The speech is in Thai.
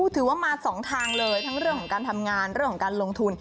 ถือว่ามาสองทางเลยทั้งเรื่องของการทำงานเรื่องของการลงทุน